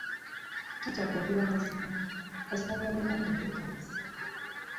Totya kwogera mazima kasita gaba nga getaagisa.